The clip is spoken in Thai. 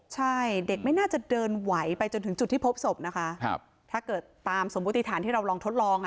ใช่เด็กไม่หน้าจะเดินไหวไปจนจมถึงดวิทลพสบนะคะถ้าเกิดตามสมบุติฐานที่เราลองทดลอง